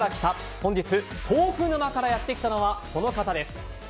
本日豆腐沼からやってきたのはこの方です。